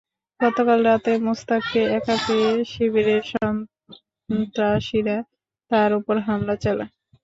গতকাল রাতে মোস্তাককে একা পেয়ে শিবিরের সন্ত্রাসীরা তাঁর ওপর হামলা চালায়।